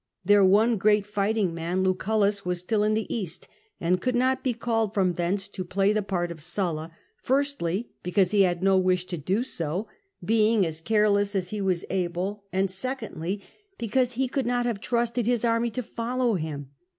Their one great fighting man, Lucullus, was still in the East, and could not be called from thence to play the part of Sulla, firstly, because he had no wish to do so, being as care less as he was able, and secondly, because he could not have trusted his army to follow him.